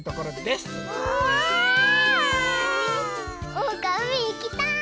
おうかうみいきたい！